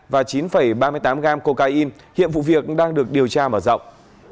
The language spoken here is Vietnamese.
và chín ba mươi tám gram cocaine hiện vụ việc đang được điều tra mở rộng